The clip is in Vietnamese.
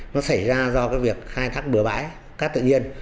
nó xảy ra do cái việc khai thác bừa bãi cát tự nhiên